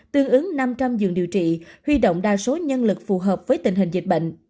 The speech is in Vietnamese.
tương ứng năm trăm linh giường điều trị huy động đa số nhân lực phù hợp với tình hình dịch bệnh